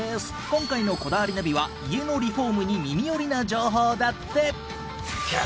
今回の『こだわりナビ』は家のリフォームに耳よりな情報だって。